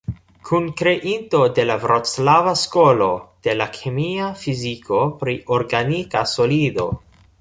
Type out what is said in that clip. Kunkreinto de la vroclava skolo de la kemia fiziko pri organika solido.